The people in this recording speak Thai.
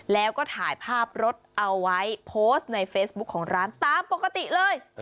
แล้วก็ถ่ายภาพรถเอาไว้โพสต์ในเฟซบุ๊คของร้านตามปกติเลย